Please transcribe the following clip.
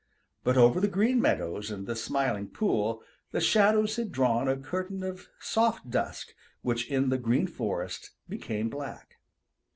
But over the Green Meadows and the Smiling Pool the shadows had drawn a curtain of soft dusk which in the Green Forest became black.